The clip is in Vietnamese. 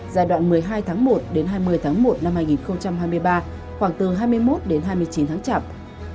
giai đoạn một mươi hai tháng một đến hai mươi tháng một năm hai nghìn hai mươi ba khoảng từ hai mươi một đến hai mươi chín tháng chậm